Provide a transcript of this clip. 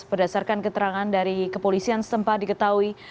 berdasarkan keterangan dari kepolisian sempat diketahui